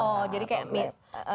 oh jadi kayak meet